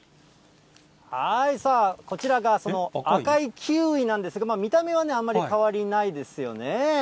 はい、こちらがその赤いキウイなんですが、見た目はあまり変わりないですよね。